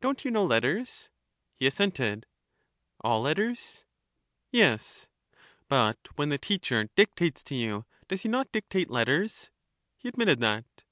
Don't you know letters? He assented. All letters? Yes. But when the teacher dictates to you, does he not dictate letters? He admitted that.